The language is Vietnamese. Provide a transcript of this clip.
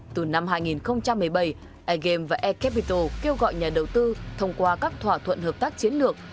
từ năm hai nghìn một mươi bảy air game và air capital kêu gọi nhà đầu tư thông qua các thỏa thuận hợp tác chiến lược